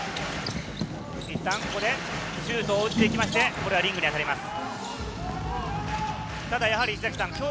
一旦ここでシュートを打っていきまして、リングに当たります。